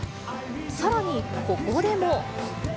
さらに、ここでも。